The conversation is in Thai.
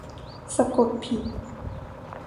สะกดผิด